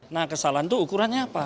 nah kesalahan itu ukurannya apa